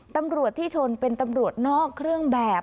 ตำรวจที่ชนเป็นตำรวจนอกเครื่องแบบ